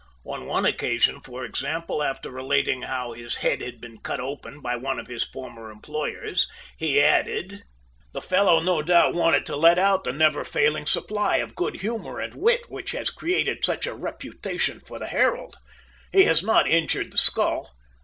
On one occasion, for example, after relating how his head had been cut open by one of his former employers, he added: "The fellow no doubt wanted to let out the never failing supply of good humor and wit which has created such a reputation for the 'Herald.'... He has not injured the skull.